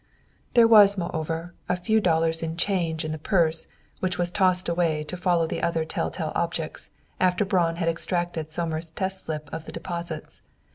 There was, moreover, a few dollars in change in the purse, which was tossed away to follow the other tell tale objects, after Braun had extracted Somers' test slip of the deposits.